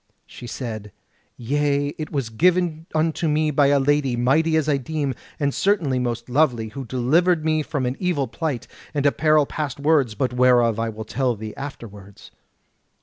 She said: "Yea; it was given unto me by a lady, mighty as I deem, and certainly most lovely, who delivered me from an evil plight, and a peril past words, but whereof I will tell thee afterwards.